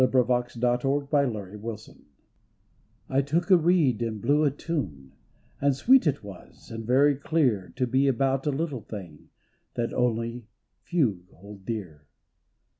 France, April, I917' 272 THE FIND I TOOK a reed and blew a tune, And sweet it was and very clear To be about a little thing That only few hold dear.